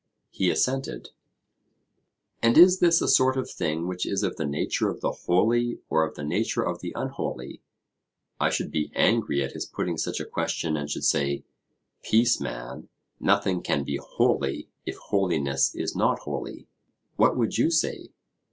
He assented. 'And is this a sort of thing which is of the nature of the holy, or of the nature of the unholy?' I should be angry at his putting such a question, and should say, 'Peace, man; nothing can be holy if holiness is not holy.' What would you say?